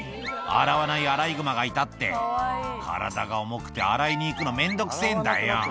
洗わないアライグマがいたって、体が重くて、洗いに行くのめんどくせぇんだよ。